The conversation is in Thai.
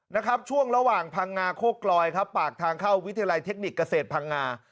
นะครับช่วงระหว่างพังงาโคกลอยครับปากทางเข้าวิทยาลัยเทคนิคเกษตรพังงา